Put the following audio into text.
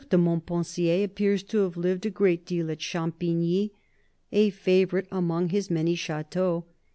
de Montpensier appears to have lived a great deal at Champigny, a favourite among his many chateaux.